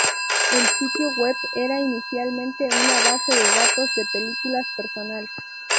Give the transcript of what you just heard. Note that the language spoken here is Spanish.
El sitio web era inicialmente una base de datos de películas personal.